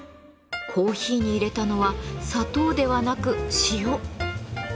コーヒーに入れたのは砂糖ではなく塩。